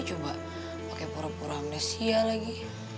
coba pakai pura pura amnesia lagi